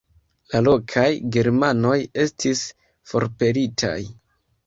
La lokaj germanoj estis forpelitaj.